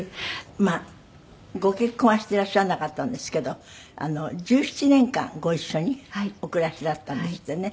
まあご結婚はしていらっしゃらなかったんですけど１７年間ご一緒にお暮らしだったんですってね。